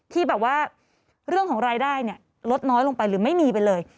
ที่แบบว่าเรื่องของรายได้เนี่ยลดน้อยลงไปหรือไม่มีไปเลย